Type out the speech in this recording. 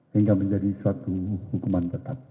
hingga menjadi suatu hukuman tersebut